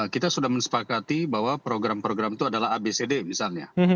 kita sudah mensepakati bahwa program program itu adalah abcd misalnya